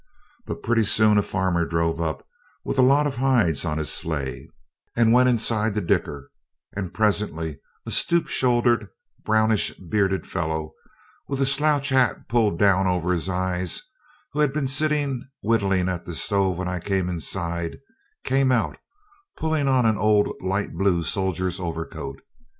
But pretty soon a farmer drove up with a lot of hides on his sleigh, and went inside to dicker, and presently a stoop shouldered, brownish bearded fellow, with a slouch hat pulled down over his eyes, who had been sitting whittling at the stove when I was inside, came out, pulling on an old light blue soldier's overcoat.